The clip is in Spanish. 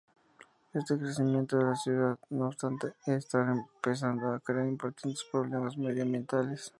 Este crecimiento de la ciudad, no obstante, está empezando a crear importantes problemas medioambientales.